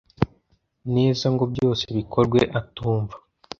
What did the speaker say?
neza ngo byose bikorwe atumva.